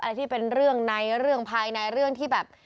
ที่เป็นเรื่องในเรื่องภายในเรื่องที่แบบ